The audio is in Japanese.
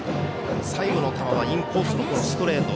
最後の球はインコースのストレート。